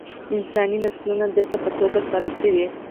انساني نسلونه ده ته په توګه سپارل شوي.